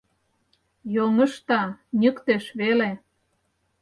Йоҥышта, ньыктеш веле!..